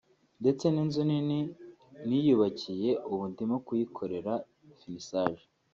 ndetse n’inzu nini niyubakiye ubu ndimo kuyikorera finisaje